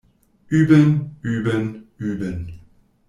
Üben, üben, üben!